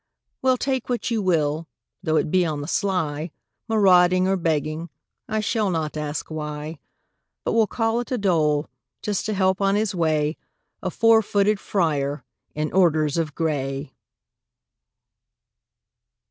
Well, take what you will, though it be on the sly, Marauding or begging, I shall not ask why, But will call it a dole, just to help on his way A four footed friar in orders of gray!